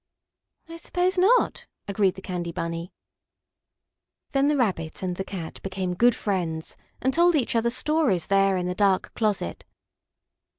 "I suppose not," agreed the Candy Bunny. Then the Rabbit and the Cat became good friends and told each other stories there in the dark closet.